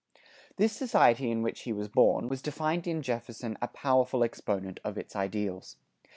This society in which he was born, was to find in Jefferson a powerful exponent of its ideals.